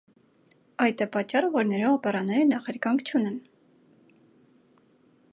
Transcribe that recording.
Այդ է պատճառը, որ նրա օպերաները նախերգանք չունեն։